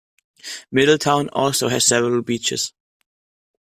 Middletown also has several beaches.